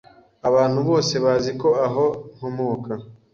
Abantu bose bazi ko aho nkomoka.